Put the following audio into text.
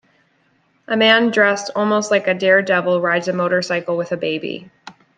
A man dressed almost like a daredevil rides a motorcycle with a baby.